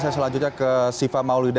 saya selanjutnya ke siva maulida